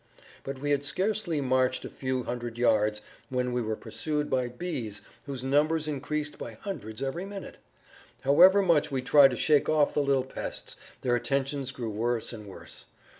But we had scarcely marched a few hundred yards when we were pursued by bees whose numbers increased by hundreds every minute. However much we tried to shake off the little pests their attentions grew worse and worse.